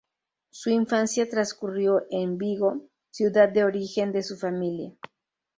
Su infancia transcurrió en Vigo, ciudad de origen de su familia.